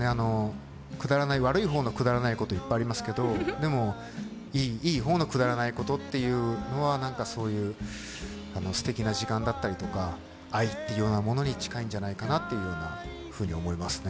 悪いほうのくだらないことはいっぱいありますけど、でも、いい方のくだらないことというのは何かそういう、すてきな時間だったりとか、愛というようなものに近いんじゃないかなと思いますね。